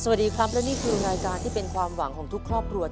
สวัสดีครับและนี่คือรายการที่เป็นความหวังของทุกครอบครัว